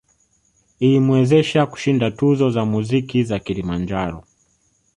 Ilimwezesha kushinda tuzo za muziki za Kilimanjaro